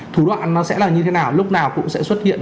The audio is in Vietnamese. thủ đoạn nó sẽ là như thế nào lúc nào cũng sẽ xuất hiện